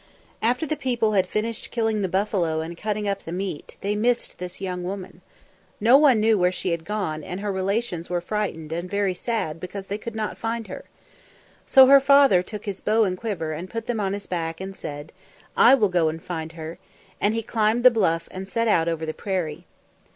After the people had finished killing the buffalo and cutting up the meat, they missed this young woman. No one knew where she had gone, and her relations were frightened and very sad because they could not find her. So her father took his bow and quiver and put them on his back and said, "I will go and find her"; and he climbed the bluff and set out over the prairie.